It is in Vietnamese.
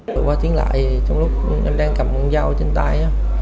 vừa qua tiếng lại trong lúc anh đang cầm một dao trên tay á